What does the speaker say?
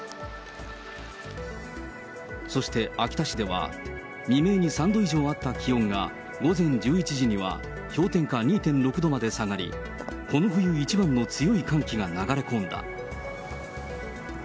そして秋田市では、未明に３度以上あった気温が、午前１１時には氷点下２．６度まで下がり、この冬一番の強い寒気が流れ込んだ。